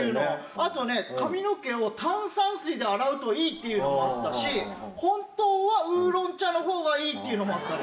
あとね、髪の毛を炭酸水で洗うといいっていうのもあったし、本当はウーロン茶のほうがいいっていうのもあったの。